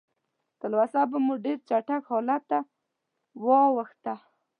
تلوسه به مو ډېر چټک حالت ته واوښته.